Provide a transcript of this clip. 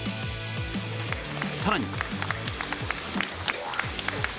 更に。